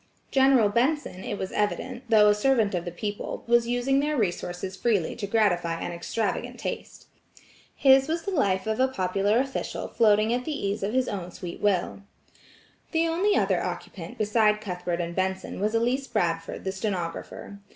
General Benson, it was evident, though a servant of the people, was using their resources freely to gratify an extravagant taste. His was the life of a popular official floating at the ease of his own sweet will. The only other occupant beside Cuthbert and Benson was Elise Bradford the stenographer.